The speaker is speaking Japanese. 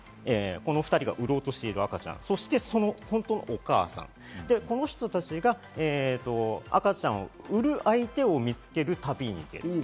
この２人が売ろうとしている赤ちゃん、そのお母さん、この人たちが赤ちゃんを売る相手を見つける旅に出ると。